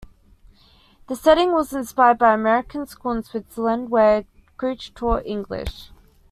The setting was inspired by The American School In Switzerland, where Creech taught English.